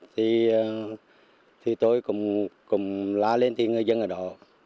thì tôi cũng lá lên thì ngư dân ở đó